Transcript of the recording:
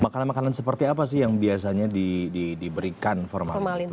makanan makanan seperti apa sih yang biasanya diberikan formalin itu